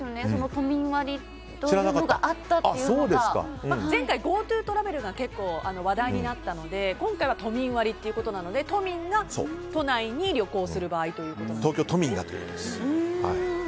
都民割というものが前回ＧｏＴｏトラベルが結構話題になったので今回は都民割ということなので都民が都内に東京都民がということです。